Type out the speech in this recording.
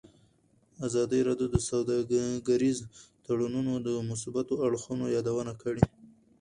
ازادي راډیو د سوداګریز تړونونه د مثبتو اړخونو یادونه کړې.